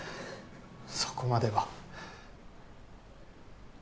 そこまでは。